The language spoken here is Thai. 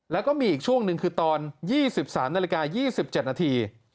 แล้วก็มีอีกช่วงหนึ่งคือตอน๒๓นาฬิกา๒๗นาที